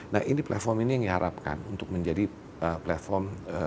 nah ini platform ini yang diharapkan untuk menjadi platform